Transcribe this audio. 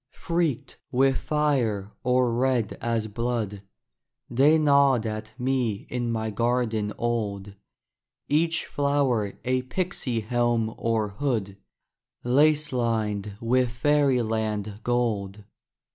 Freaked with fire or red as blood, They nod at me in my garden old, Each flower a pixy helm or hood, Lace lined with fairyland gold.